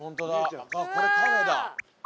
あっこれカフェだ！